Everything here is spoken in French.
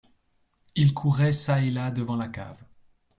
Il courait çà et là devant la cave.